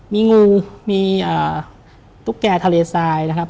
มีงูมีตุ๊กแก่ทะเลทรายนะครับ